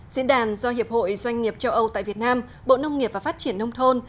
diễn đàn do hiệp hội doanh nghiệp châu âu tại việt nam bộ nông nghiệp và phát triển nông thôn